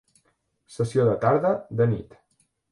Sessió de tarda, de nit.